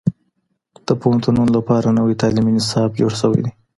د پوهنتونونو لپاره نوی تعليمي نصاب جوړ سوی دی.